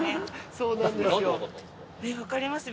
そうですよね。